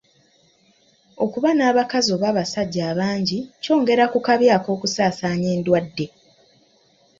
Okuba n'abakazi oba abasajja abangi kyongera ku kabi ak'okusaasaanya endwadde.